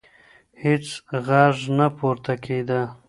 هیڅ غږ نه پورته کېده.